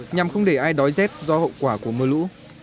nhằm không để ai đói rét do hậu quả của mưa lũ